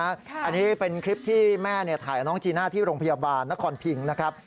อันนี้เป็นคลิปที่แม่ถ่ายน้องจีน่าที่โรงพยาบาลนครพิงนะครับ